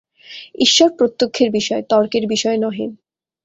ঈশ্বর প্রত্যক্ষের বিষয়, তর্কের বিষয় নহেন।